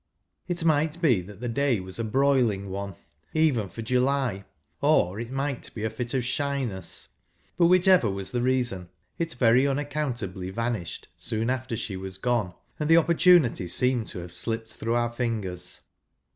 It might be that the day was a broilmg one, even, for July, or it might be a fit of sliyness ; but whichever was the reason, it very unaccountably vanished soon after she was gone, and the opportunity seemed to have slipned through pur fingers.